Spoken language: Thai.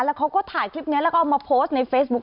แล้วเขาก็ถ่ายคลิปนี้แล้วก็เอามาโพสต์ในเฟซบุ๊ค